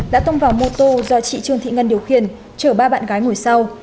đã tông vào mô tô do chị trương thị ngân điều khiển chở ba bạn gái ngồi sau